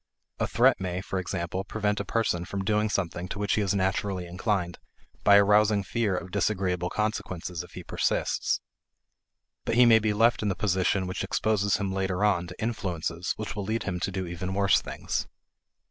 A threat may, for example, prevent a person from doing something to which he is naturally inclined by arousing fear of disagreeable consequences if he persists. But he may be left in the position which exposes him later on to influences which will lead him to do even worse things.